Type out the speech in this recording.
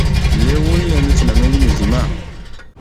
Le vunle ngi cina mi ngi mizli ma.